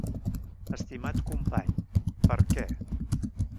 Estimat company, per què?